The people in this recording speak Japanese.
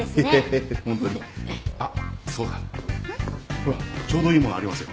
ほらちょうどいいものありますよ。